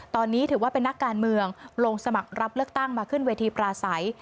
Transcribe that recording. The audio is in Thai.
ตอนนี้ถือว่าเป็นนักการเมืองลงสมัครรับเลือกตั้งมาขึ้นเวทีปลาใส